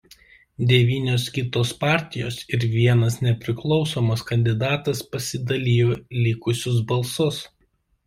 Devynios kitos partijos ir vienas nepriklausomas kandidatas pasidalijo likusius balsus.